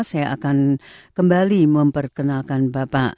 saya akan kembali memperkenalkan bapak